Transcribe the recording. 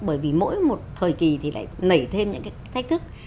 bởi vì mỗi một thời kỳ thì lại nảy thêm những cái thách thức